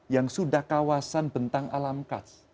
yang sudah kawasan bentang alam khas